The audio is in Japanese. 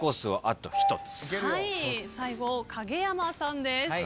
最後影山さんです。